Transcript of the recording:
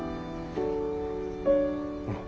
うん。